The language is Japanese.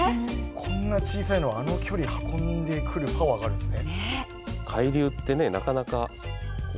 こんな小さいのがあの距離運んでくるパワーがあるんですね。